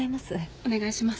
お願いします。